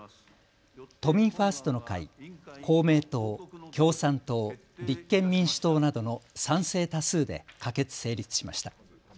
都民ファーストの会、公明党、共産党、立憲民主党などの賛成多数で可決・成立しました。